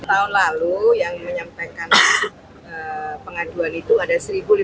tahun lalu yang menyampaikan pengaduan itu ada satu lima ratus